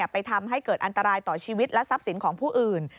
ไปทำให้เกิดอันตรายต่อชีวิตและทรัพย์สินของผู้อื่น